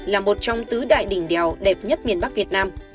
là một trong tứ đại đỉnh đèo đẹp nhất miền bắc việt nam